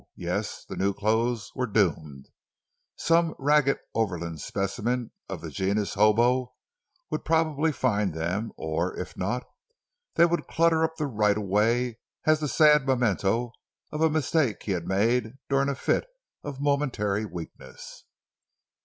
Yes, the new clothes were doomed; some ragged overland specimen of the genus "hobo" would probably find them or, if not, they would clutter up the right of way as the sad memento of a mistake he had made during a fit of momentary weakness.